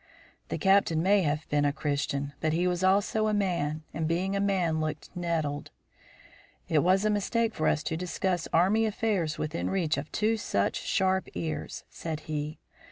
The Captain may have been a Christian, but he was also a man, and, being a man, looked nettled. "It was a mistake for us to discuss Army affairs within reach of two such sharp ears," said he.